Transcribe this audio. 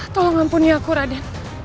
tolong ampuni aku raden